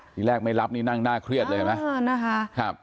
ที่แรกไม่รับนี่นั่งหน้าเครื่อยเลยนะ